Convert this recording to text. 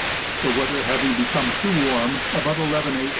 The weather having become too warm, about 11 A.